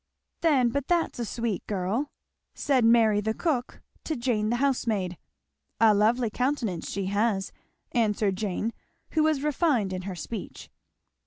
"Then but that's a sweet girl!" said Mary the cook to Jane the housemaid. "A lovely countenance she has," answered Jane, who was refined in her speech.